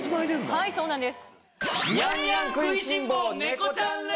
はいそうなんです